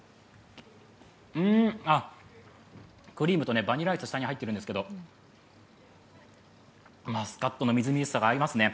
うん、クリームとバニラアイスが下に入っているんですけどマスカットのみずみずしさが合いますね。